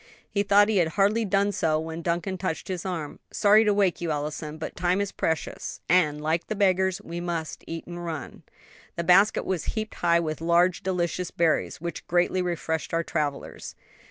He thought he had hardly done so when Duncan touched his arm. "Sorry to wake you, Allison, but time is precious; and, like the beggars, we must eat and run." The basket was heaped high with large, delicious berries, which greatly refreshed our travelers.